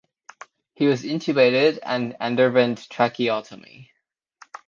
He was intubated and underwent tracheotomy.